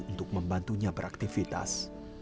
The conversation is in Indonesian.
untuk membantunya beraktivitas